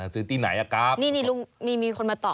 ซื้อที่ไหนอะครับนี่นี่ลุงมีคนมาตอบ